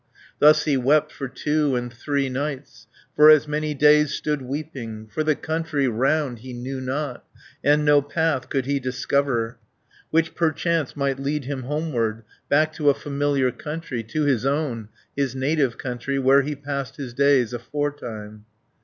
Thus he wept for two, and three nights, For as many days stood weeping, For the country round he knew not, And no path could he discover, Which perchance might lead him homeward, Back to a familiar country, 130 To his own, his native country, Where he passed his days aforetime.